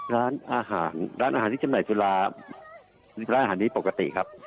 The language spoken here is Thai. ร้านอาหารที่จำหน่ายจุฬาร้านอาหารนี้ปกติครับ